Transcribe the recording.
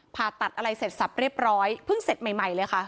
ผ่าตัดอะไรเสร็จสับเรียบร้อยเพิ่งเสร็จใหม่เลยค่ะ